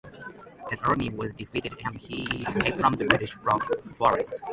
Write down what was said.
His army was defeated and he escaped from the British forces.